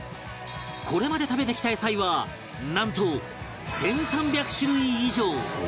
これまで食べてきた野菜はなんと１３００種類以上